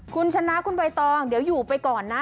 คุณชนะคุณใบตองเดี๋ยวอยู่ไปก่อนนะ